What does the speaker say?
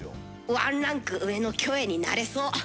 ワンランク上のキョエになれそう。